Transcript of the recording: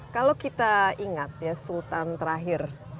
kalau kita ingat ya sultan terakhir